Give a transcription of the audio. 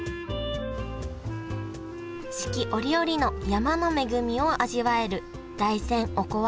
四季折々の山の恵みを味わえる大山おこわ